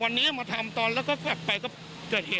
สวยชีวิตทั้งคู่ก็ออกมาไม่ได้อีกเลยครับ